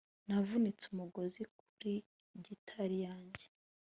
Navunitse umugozi kuri gitari yanjye